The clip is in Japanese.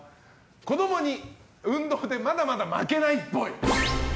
子供に運動でまだまだ負けないっぽい。